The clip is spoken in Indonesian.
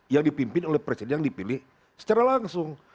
yang dipimpin oleh presiden yang dipilih secara langsung